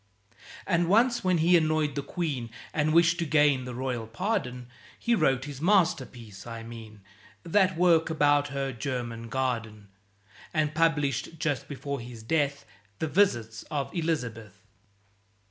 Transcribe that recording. And once, when he annoyed the Queen, And wished to gain the royal pardon, He wrote his masterpiece; I mean That work about her German Garden; And published, just before his death, The "Visits of Elizabeth."